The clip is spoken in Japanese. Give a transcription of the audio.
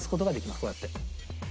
こうやって。